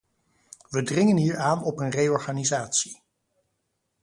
We dringen hier aan op een reorganisatie.